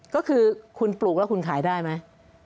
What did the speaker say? ก็คือคุณปลูกแล้วคุณขายได้ไหม